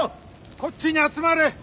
こっちに集まれ！